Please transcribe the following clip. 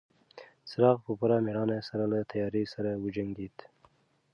څراغ په پوره مېړانه سره له تیارې سره وجنګېد.